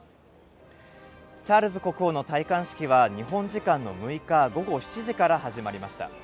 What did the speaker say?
チャールズ国王の戴冠式は、日本時間の６日午後７時から始まりました。